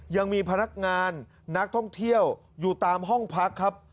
ยังมีพนักงานนักท่องเที่ยวอยู่ตามห้องพักครับ